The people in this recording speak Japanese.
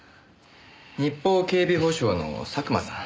日邦警備保障の佐久間さん。